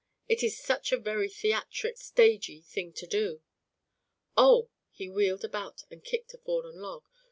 It is such a very theatric stagey thing to do." "Oh!" He wheeled about and kicked a fallen log.